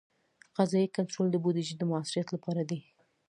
قضایي کنټرول د بودیجې د مؤثریت لپاره دی.